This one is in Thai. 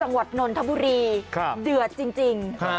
สังวัตินทร์นทบุรีเดือดจริง